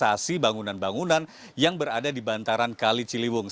dan untuk memperbaiki proyek normalisasi bangunan bangunan yang berada di bantaran kali ciliwung